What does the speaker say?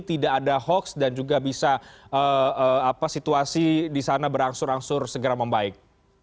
tidak ada hoax dan juga bisa situasi di sana berangsur angsur segera membaik